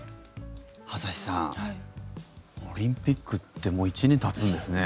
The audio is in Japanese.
朝日さんオリンピックってもう１年たつんですね。